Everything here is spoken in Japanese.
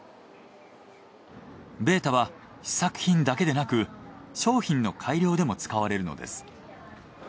ベータは試作品だけでなく商品の改良でも使われるのです。